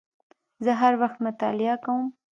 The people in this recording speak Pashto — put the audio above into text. زه هر وخت مطالعه کوم